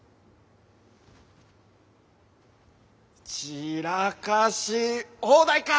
散らかし放題か！